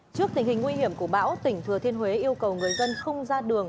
trước tình hình nguy hiểm của bão tỉnh thừa thiên huế yêu cầu người dân không ra đường